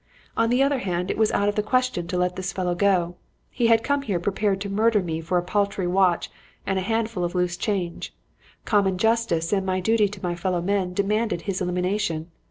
On the other hand, it was out of the question to let this fellow go. He had come here prepared to murder me for a paltry watch and a handful of loose change. Common justice and my duty to my fellow men demanded his elimination.